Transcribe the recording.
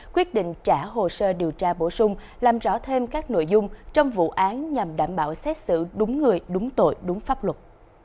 quyết định trả hồ sơ điều tra bổ sung làm rõ thêm các nội dung trong vụ án nhằm đảm bảo xét xử đúng người đúng tội đúng pháp luật